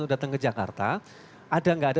datang ke jakarta ada nggak ada